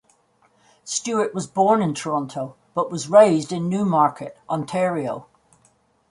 Stewart was born in Toronto, but was raised in Newmarket, Ontario.